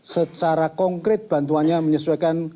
secara konkret bantuannya menyesuaikan